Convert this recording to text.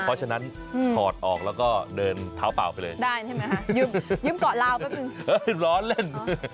เพราะฉะนั้นถอดออกแล้วก็เดินเท้าเปล่าไปเลยได้ใช่ไหมคะยืมเกาะลาวแป๊บนึงร้อนเล่น